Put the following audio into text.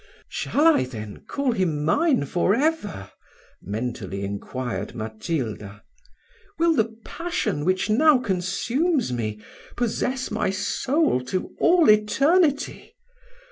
"Shall I then call him mine for ever?" mentally inquired Matilda; "will the passion which now consumes me, possess my soul to all eternity?